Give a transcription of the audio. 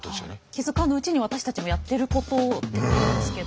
気付かぬうちに私たちもやってることということですけど。